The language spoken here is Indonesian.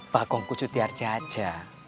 pak kongku cutiar jajah